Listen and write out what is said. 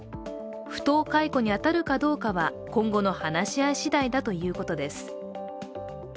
不当解雇に当たるかどうかは今後の話し合い次第だということです。